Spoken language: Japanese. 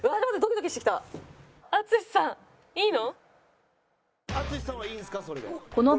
淳さんいいの？